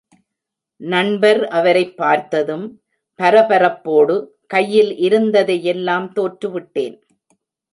நண்பர் அவரைப் பார்த்ததும், பரபரப்போடு, கையில் இருந்ததையெல்லாம் தோற்றுவிட்டேன்.